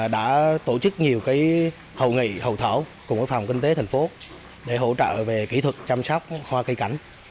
đã tổ chức nhiều hội nghị hậu thảo cùng với phòng kinh tế thành phố để hỗ trợ về kỹ thuật chăm sóc hoa cây cảnh